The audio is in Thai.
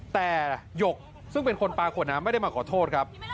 แต่หยกซึ่งเป็นคนปลาขวดน้ำไม่ได้มาขอโทษครับ